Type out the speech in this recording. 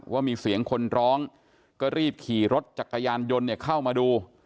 ว่ามีเสียงคนร้องก็รีบขี่รถจักรยานยนต์เข้ามาดู